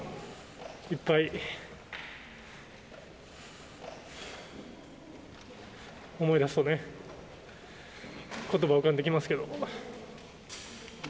いっぱい思い出すとね、ことば浮かんできますけど。